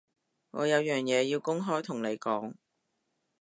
我有樣嘢要公開同你講